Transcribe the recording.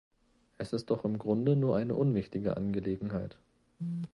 Es ist doch im Grunde nur eine unwichtige Angelegenheit.